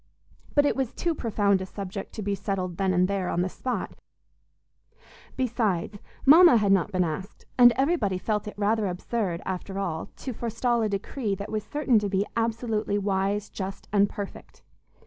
But it was too profound a subject to be settled then and there, on the spot; besides, Mama had not been asked, and everybody felt it rather absurd, after all, to forestall a decree that was certain to be absolutely wise, just and perfect.